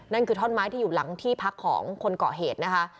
นั่นคือท่อนไม้ที่อยู่หลังที่พักของคนเกาะเหตุนะคะ